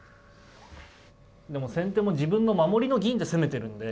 でも先手も自分の守りの銀で攻めてるんで。